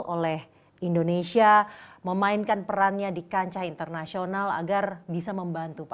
oleh indonesia memainkan perannya di kancah internasional agar bisa membantu pak